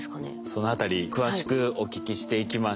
そのあたり詳しくお聞きしていきましょう。